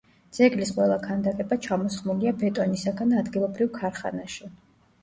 ძეგლის ყველა ქანდაკება ჩამოსხმულია ბეტონისაგან ადგილობრივ ქარხანაში.